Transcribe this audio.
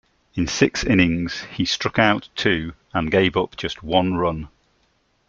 In six innings, he struck out two and gave up just one run.